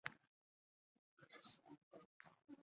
久里滨线的铁路线。